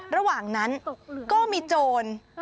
ระหว่างนั้นก็มีโจร